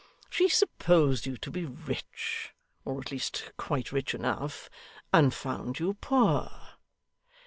She supposed you to be rich, or at least quite rich enough; and found you poor.